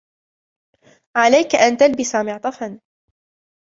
عليك أن تلبس معطفا.